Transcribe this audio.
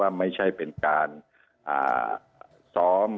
ไม่ใช่เป็นการซ้อม